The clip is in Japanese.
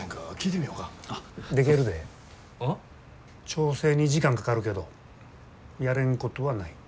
調整に時間かかるけどやれんことはない。